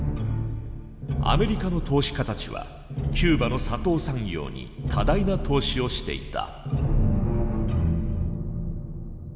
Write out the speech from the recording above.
アメリカの投資家たちはキューバの砂糖産業に多大な投資をしていた。